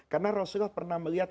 karena rasulullah pernah melihat